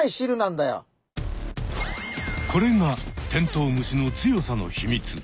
これがテントウムシの強さの秘密。